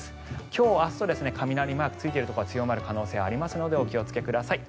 今日、明日と雷マークがついているところは強まる可能性がありますのでお気をつけください。